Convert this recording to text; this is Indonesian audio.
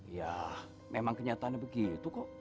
ya memang kenyataannya begitu kok